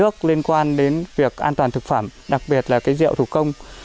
nước liên quan đến việc an toàn thực phẩm đặc biệt là cái rượu thủ công